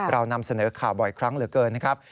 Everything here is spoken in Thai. เรานำเสนอข่าวบ่อยครั้งเหลือเกินนะครับ